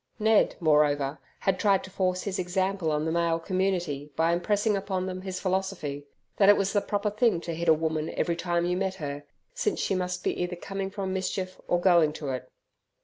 Ned, moreover, had tried to force his example on the male community by impressing upon them his philosophy, that it was the proper thing to hit a woman every time you met her, since she must either be coming from mischief or going to it.